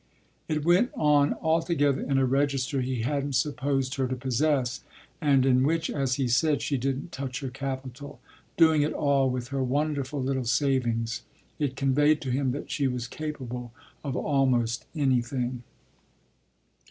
It went on altogether in a register he hadn't supposed her to possess and in which, as he said, she didn't touch her capital, doing it all with her wonderful little savings. It conveyed to him that she was capable of almost anything.